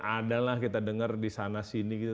adalah kita dengar disana sini gitu